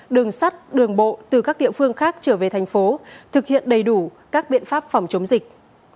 đường sắt đường bộ từ các địa phương khác trở về thành phố thực hiện đầy đủ các biện pháp phòng chống dịch